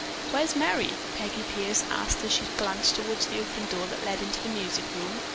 "Where's Merry?" Peggy Pierce asked as she glanced toward the open door that led into the music room.